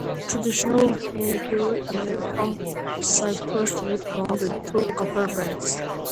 Traditional "hangiri" are made from cypress wood bound with two copper bands.